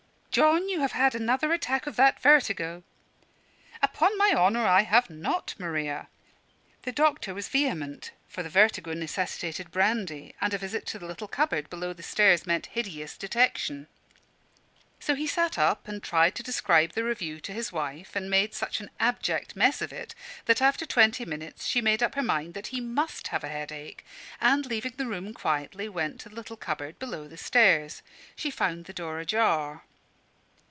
"John, you have had another attack of that vertigo." "Upon my honour I have not, Maria." The doctor was vehement; for the vertigo necessitated brandy, and a visit to the little cupboard below the stairs meant hideous detection. So he sat up and tried to describe the review to his wife, and made such an abject mess of it, that after twenty minutes she made up her mind that he must have a headache, and, leaving the room quietly, went to the little cupboard below the stairs. She found the door ajar.